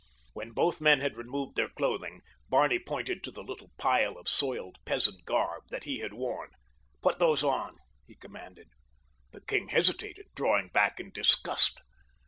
When both men had removed their clothing Barney pointed to the little pile of soiled peasant garb that he had worn. "Put those on," he commanded. The king hesitated, drawing back in disgust.